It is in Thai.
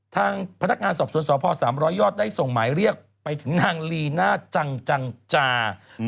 ทางพนักงานสอบสวนสพ๓๐๐ยอดได้ส่งหมายเรียกไปถึงนางลีน่าจังจังจา